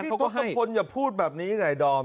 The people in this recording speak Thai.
พี่ทศพลอย่าพูดแบบนี้ไงดอม